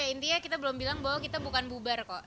intinya kita belum bilang bahwa kita bukan bubar kok